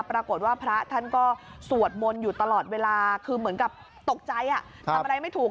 ปรากฏว่าพระท่านก็สวดมนต์อยู่ตลอดเวลาคือเหมือนกับตกใจทำอะไรไม่ถูก